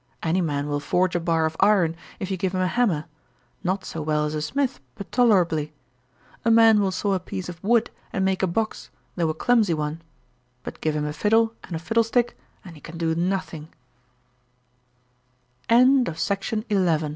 Any man will forge a bar of iron, if you give him a hammer; not so well as a smith, but tolerably. A man will saw a piece of wood, and make a box, though a clumsy one; but give him a fiddle and a fiddle stick, and he can do no